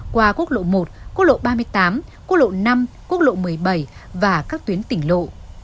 qua quốc lộ một quốc lộ ba mươi tám quốc lộ năm quốc lộ một mươi bảy và các tuyến tỉnh lộ